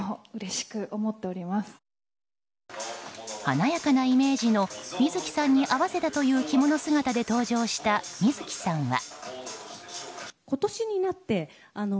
華やかなイメージの観月さんに合わせた着物姿で登場したという観月さんは。